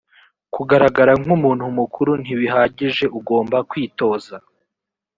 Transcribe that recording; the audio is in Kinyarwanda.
kugaragara nk’ umuntu mukuru ntibihagije ugomba kwitoza.